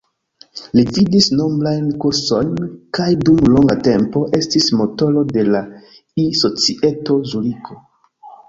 Li gvidis nombrajn kursojn kaj dum longa tempo estis motoro de la E-Societo Zuriko.